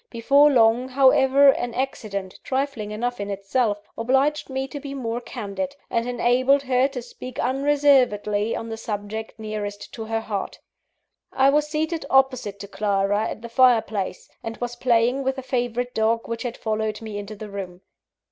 Before long, however, an accident, trifling enough in itself, obliged me to be more candid; and enabled her to speak unreservedly on the subject nearest to her heart. I was seated opposite to Clara, at the fire place, and was playing with a favourite dog which had followed me into the room.